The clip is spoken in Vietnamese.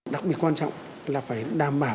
đặc biệt quan trọng là phải đảm bảo